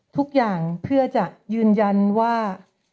ทุกอย่างเพื่อจะยืนยันว่า